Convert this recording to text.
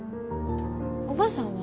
おばあさんは？